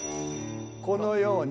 このように。